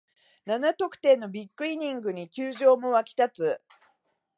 七得点のビッグイニングに球場も沸き立つ